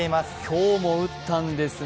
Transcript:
今日も打ったんですね。